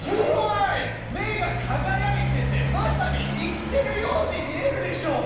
目がかがやいててまさに生きてるように見えるでしょう！